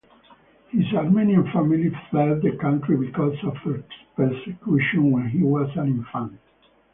His Armenian family fled the country because of persecution when he was an infant.